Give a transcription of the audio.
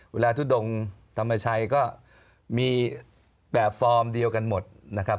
ทุดงธรรมชัยก็มีแบบฟอร์มเดียวกันหมดนะครับ